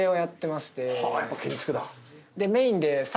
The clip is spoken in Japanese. やっぱ建築だ。